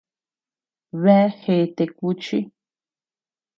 Bea gèète kuchi.